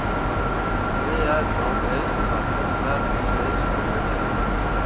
Me ah joŋ ɓe fatan zahzyilli ɓe sop me ah.